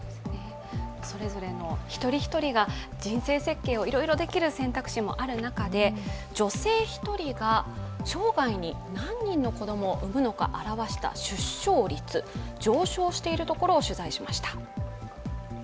それぞれの一人一人が人生設計ができる選択肢がある中で女性１人が生涯に何人の子どもを産むのか表した出生率、上昇しているところを取材しました。